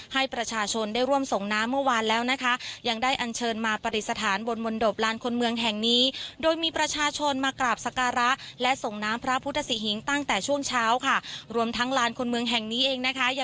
ให้ประชาชนได้ร่วมส่งน้ำเมื่อวานแล้ว